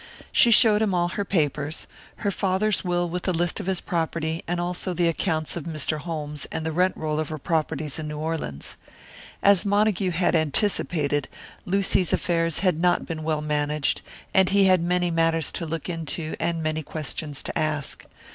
She showed him all her papers; her father's will, with a list of his property, and also the accounts of Mr. Holmes, and the rent roll of her properties in New Orleans. As Montague had anticipated, Lucy's affairs had not been well managed, and he had many matters to look into and many questions to ask.